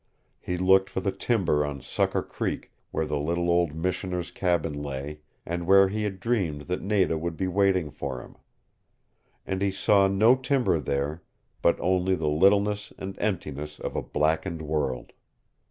He looked for the timber on Sucker Creek where the little old Missioner's cabin lay, and where he had dreamed that Nada would be waiting for him. And he saw no timber there but only the littleness and emptiness of a blackened world.